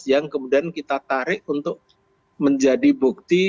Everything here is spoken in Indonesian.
yang kemudian kita tarik untuk menjadi bukti